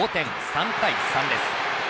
３対３です。